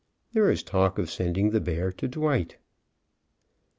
There is talk oi sending the bear to Dwight.